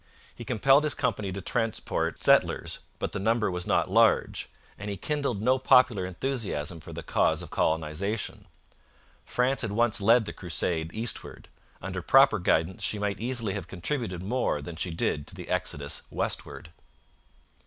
He compelled his company to transport settlers, but the number was not large, and he kindled no popular enthusiasm for the cause of colonization. France had once led the crusade eastward. Under proper guidance she might easily have contributed more than she did to the exodus westward.